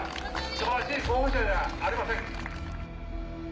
素晴らしい候補者じゃありませんか！